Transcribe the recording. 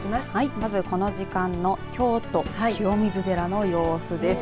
まずこの時間の京都清水寺の様子です。